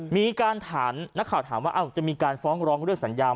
มีการถามนักข่าวถามว่าจะมีการฟ้องร้องเลือกสัญญา